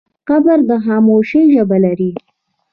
قبر د خاموشۍ ژبه لري.